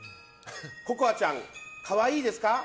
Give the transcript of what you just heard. ココアちゃん、可愛いですか？